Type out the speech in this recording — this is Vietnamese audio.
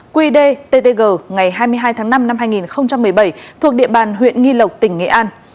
quy đê ttg ngày hai mươi hai tháng năm năm hai nghìn một mươi bảy thuộc địa bàn huyện nghi lộc tỉnh nghệ an